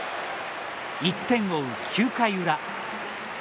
１点を追う、９回裏。